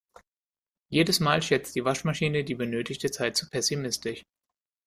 Jedes Mal schätzt die Waschmaschine die benötigte Zeit zu pessimistisch.